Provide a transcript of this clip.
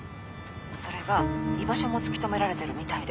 それが居場所も突き止められてるみたいで。